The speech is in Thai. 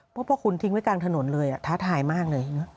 เพราะพอคุณทิ้งไว้กลางถนนเลยท้าทายมากเลย